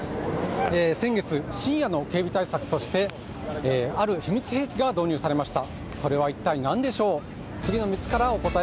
先月、深夜の警備対策としてある秘密兵器が導入されました。